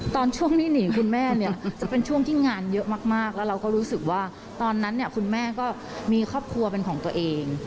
ตอนช่วงที่หนีคุณแม่เนี่ยจะเป็นช่วงที่งานเยอะมากแล้วเราก็รู้สึกว่าตอนนั้นเนี่ยคุณแม่ก็มีครอบครัวเป็นของตัวเอง